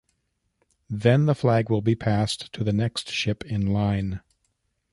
Then the flag will be passed to the next ship in line.